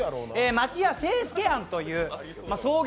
町屋清水庵という創業